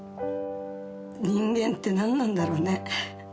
人間ってなんなんだろうね。